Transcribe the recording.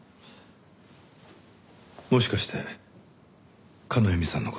もしかして叶笑さんの事。